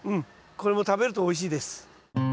これも食べるとおいしいです。